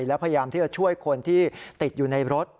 แล้วพยายามที่จะช่วยคนที่ติดอยู่ในรถ